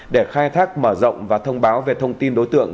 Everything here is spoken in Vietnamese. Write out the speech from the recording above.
để khai thác mở rộng và thông báo về thông tin đối tượng